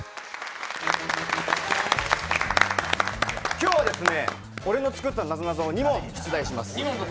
今日は俺の作ったなぞなぞを２問出題します。